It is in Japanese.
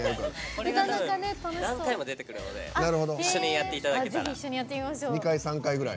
これが何回も出てくるので一緒にやっていただけたら。